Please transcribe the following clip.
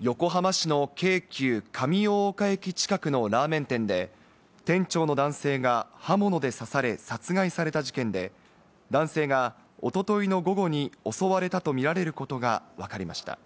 横浜市の京急・上大岡駅近くのラーメン店で店長の男性が刃物で刺され殺害された事件で、男性がおとといの午後に襲われたとみられることがわかりました。